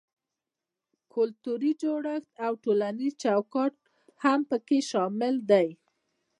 کلتوري جوړښت او ټولنیز چوکاټ هم پکې شامل دي.